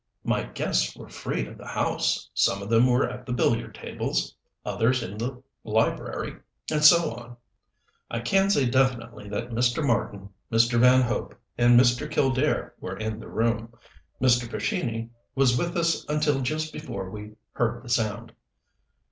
"My guests were free of the house some of them were at the billiard tables, others in the library, and so on. I can say definitely that Mr. Marten, Mr. Van Hope, and Mr. Killdare were in the room. Mr. Pescini was with us until just before we heard the sound."